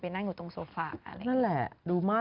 นั่นแหละ